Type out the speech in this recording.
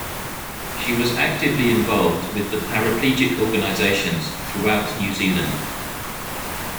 She was actively involved with the paraplegic organisations throughout New Zealand.